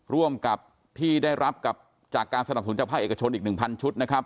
ร่วมกับที่ได้รับกับจากการสนับสนุนจากภาคเอกชนอีก๑๐๐ชุดนะครับ